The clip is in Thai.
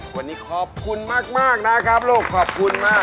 วันนี้ขอบคุณมากนะครับลูกขอบคุณมาก